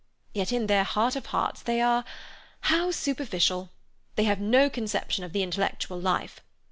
Yet in their heart of hearts they are—how superficial! They have no conception of the intellectual life.